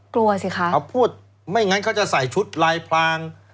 กลัวสิคะเขาพูดไม่งั้นเขาจะใส่ชุดลายพลาง